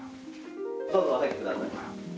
どうぞお入りください。